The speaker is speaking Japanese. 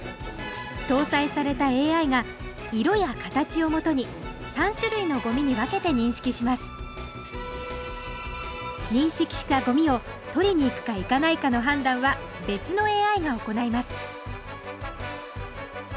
搭載されたＡＩが色や形をもとに３種類のゴミに分けて認識します認識したゴミを取りに行くか行かないかの判断は別のＡＩが行います